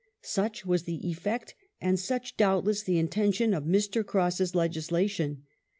Such was the effect and such doubtless the intention of Mr. Cross's legislation.